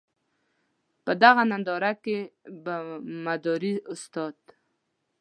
په دغه ننداره کې به مداري استاد.